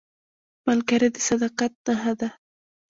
ملګری د صداقت نښه ده